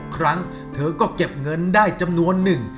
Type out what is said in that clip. ครั้งเธอก็เก็บเงินได้จำนวนหนึ่ง